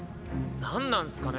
何なんスかね